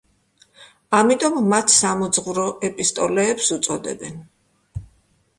ამიტომ, მათ „სამოძღვრო ეპისტოლეებს“ უწოდებენ.